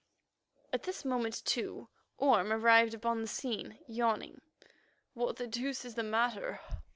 At this moment, too, Orme arrived upon the scene, yawning. "What the deuce is the matter?"